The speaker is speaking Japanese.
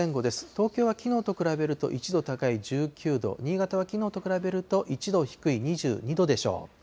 東京はきのうと比べると１度高い１９度、新潟はきのうと比べると、１度低い２２度でしょう。